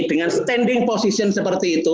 dengan standing position seperti itu